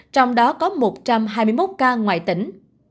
trong đó có một trăm hai mươi một ca ngoại tỉnh